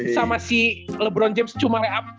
sama si lebron james cuma layup di bawah doang